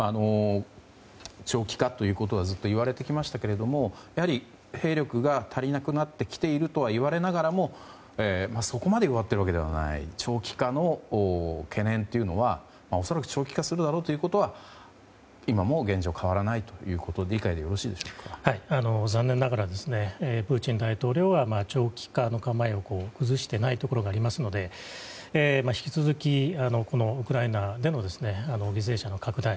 長期化ということはずっといわれてきましたがやはり兵力が足りなくなってきているとは言われながらもそこまで弱っているわけではない長期化の懸念という恐らく長期化するだろうということは今も現状変わらないという残念ながらプーチン大統領は長期化の構えを崩してないところがありますので引き続き、ウクライナでも犠牲者の拡大